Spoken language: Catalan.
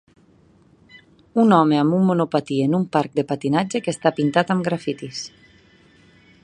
Un home amb un monopatí en un parc de patinatge que està pintat amb grafitis.